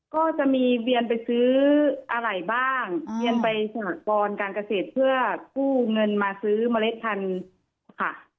ก็จะมีเวียนไปซื้ออะไรบ้างเวียนไปสหกรการเกษตรเพื่อกู้เงินมาซื้อเมล็ดพันธุ์ค่ะ